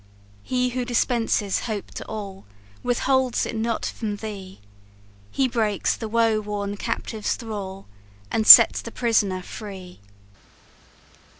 "He who dispenses hope to all, Withholds it not from thee; He breaks the woe worn captive's thrall, And sets the prisoner free!"